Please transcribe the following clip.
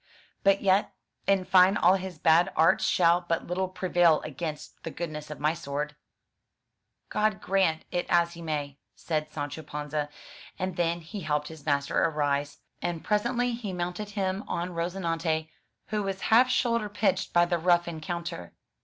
But yet, in fine all his bad arts shall but little prevail against the goodness of my sword/' "God grant it as He may!'* said Sancho Panza, and then he helped his master arise; and presently he mounted him on Rozi nante, who was half shoulder pitched by the rough encounter.